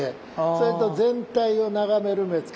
それと「全体を眺める目付」